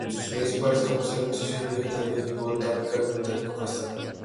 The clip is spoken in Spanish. Sus principales campos eran sociología vegetal y geobotánica, y botánica forestal.